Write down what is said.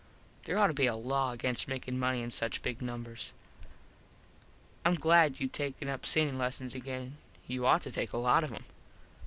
There ought to be a law against makin money in such big numbers. Im glad you taken up singin lessons again. You ought to take a lot of em.